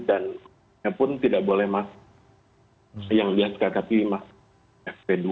dan walaupun tidak boleh masker yang biasa kata kata masker fb dua